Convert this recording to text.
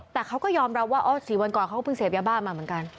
แต่เขาก็ยอมรับว่า๔วันก่อนเขาก็เพิ่งเสพยาบ้ามาเหมือนกัน